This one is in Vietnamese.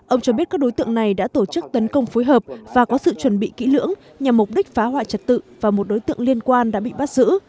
ông cho biết các đối tượng này đã tổ chức tấn công phối hợp và có sự chuẩn bị kỹ lưỡng nhằm mục đích phá hoại trật tự và một đối tượng liên quan đã bị bắt giữ